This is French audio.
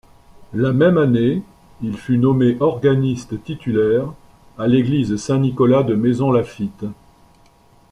La même année, il fut nommé organiste-titulaire à l'église Saint-Nicolas de Maisons-Laffitte.